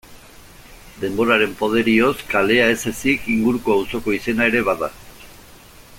Denboraren poderioz, kalea ez ezik inguruko auzoko izena ere bada.